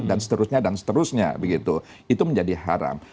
dan seterusnya dan seterusnya begitu itu menjadi haram